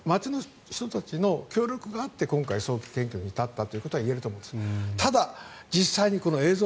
そういうものによって街の人たちの協力があって今回、早期検挙に至ったということは言えると思うんです。